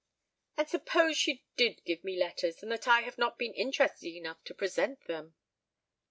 "And suppose she did give me letters and that I have not been interested enough to present them?"